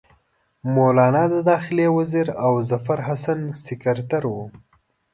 مولنا د داخله وزیر او ظفرحسن سکرټر وو.